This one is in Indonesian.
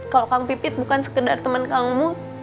kalau kang pipit bukan sekedar temen kang mus